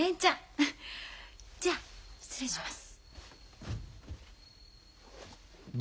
じゃあ失礼します。